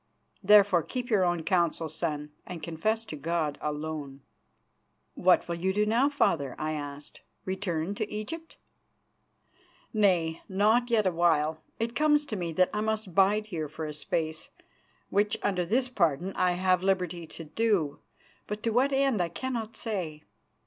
Therefore, keep your own counsel, son, and confess to God alone." "What will you do now, Father?" I asked. "Return to Egypt?" "Nay, not yet awhile. It comes to me that I must bide here for a space, which under this pardon I have liberty to do, but to what end I cannot say.